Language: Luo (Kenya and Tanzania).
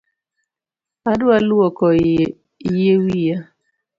Adwa luoko yie wiya